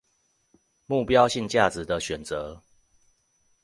目標性價值的選擇